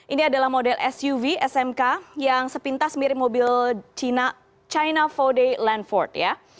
ini adalah model suv smk yang sepintas mirip mobil china vode landford ya